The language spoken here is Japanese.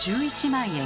１１万円。